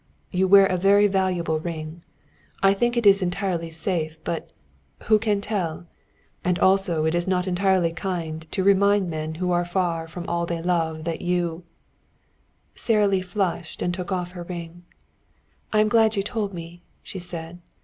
You wear a very valuable ring. I think it is entirely safe, but who can tell? And also it is not entirely kind to remind men who are far from all they love that you " Sara Lee flushed and took off her ring. "I am glad you told me," she said.